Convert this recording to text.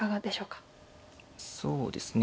そうですね